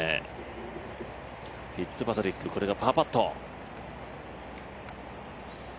フィッツパトリックのパーパット。